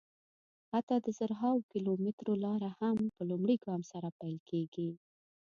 حتی د زرهاوو کیلومترو لاره هم په لومړي ګام سره پیل کېږي.